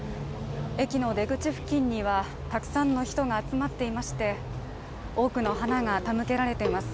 駅の出口付近にはたくさんの人が集まっていまして多くの花が手向けられています。